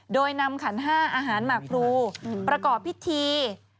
โดยนำขันห้าอาหารหมากพลูประกอบพิธี